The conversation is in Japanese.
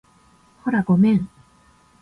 ほら、ごめん